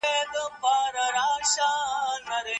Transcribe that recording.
تاسو به د ذهني ارامتیا په ارزښت پوهیږئ.